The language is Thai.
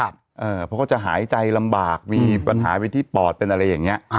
เพราะเขาจะหายใจลำบากมีปัญหาไปที่ปอดเป็นอะไรอย่างนี้